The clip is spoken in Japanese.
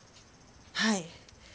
はい。